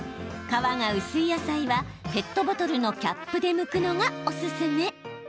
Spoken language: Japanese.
皮が薄い野菜はペットボトルのキャップでむくのがおすすめ。